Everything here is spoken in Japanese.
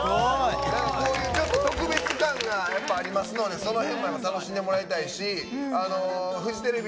こういう特別感があるのでその辺も楽しんでもらいたいしフジテレビ